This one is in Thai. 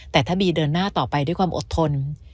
แต่ถ้าบีเดินหน้าต่อไปด้วยความอดทน